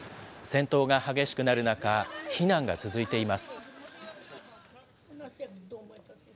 戦闘が激しくなる中、避難が続いています。